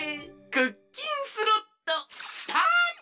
クッキンスロットスタート！